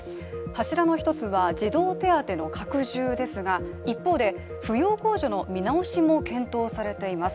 柱の１つは児童手当の拡充ですが一方で扶養控除の見直しも検討されています。